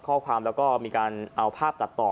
ข้อความแล้วก็มีการเอาภาพตัดต่อ